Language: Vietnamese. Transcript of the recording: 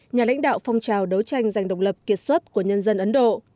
nhà lãnh đạo phong trào đấu tranh giành độc lập kiệt xuất của nhân dân ấn độ